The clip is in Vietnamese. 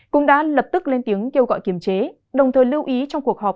cũng đã lập tức lên tiếng kêu gọi kiềm chế đồng thời lưu ý trong cuộc họp